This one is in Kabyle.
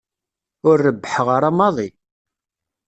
Ur rebbḥeɣ ara maḍi.